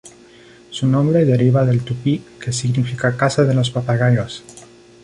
Su nombre deriva del tupí, que significa "casa de los papagayos".